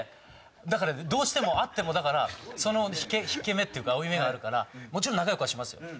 だからどうしても会ってもその引け目っていうか負い目があるからもちろん仲良くはしますよ。